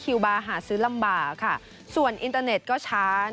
คืยากล้อมานำบับของเหมือนกัน